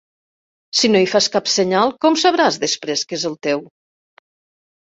Si no hi fas cap senyal, com sabràs després que és el teu?